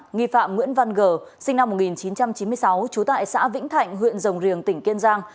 nghi phạm nguyễn văn g sinh năm một nghìn chín trăm chín mươi sáu trú tại xã vĩnh thạnh huyện rồng riềng tỉnh kiên giang